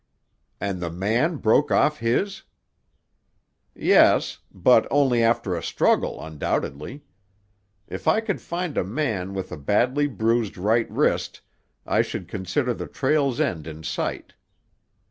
"And the man broke off his?" "Yes. But only after a struggle, undoubtedly. If I could find a man with a badly bruised right wrist, I should consider the trail's end in sight.